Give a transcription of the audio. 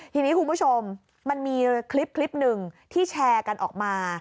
ทีนี้คุณผู้ชมมันมีคลิปหนึ่งที่แชร์กันออกมา